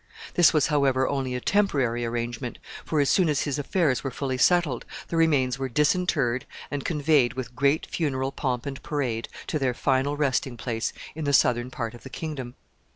This was, however, only a temporary arrangement, for, as soon as his affairs were fully settled, the remains were disinterred, and conveyed, with great funeral pomp and parade, to their final resting place in the southern part of the kingdom.